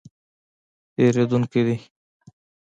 تېرېدونکی دی